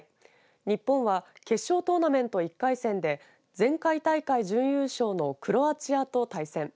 日本は決勝トーナメント１回戦で前回大会準優勝のクロアチアと対戦。